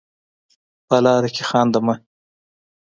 په لاره کې خانده مه.